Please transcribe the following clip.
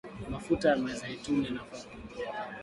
mafuta ya mizeituni yanafaa kupikia viazi